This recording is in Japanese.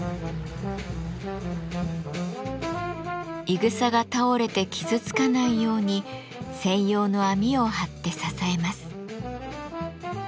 いぐさが倒れて傷つかないように専用の網を張って支えます。